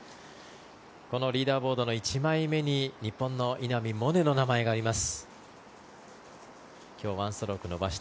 このリーダーボードの１枚目に日本の稲見萌寧の名前があります。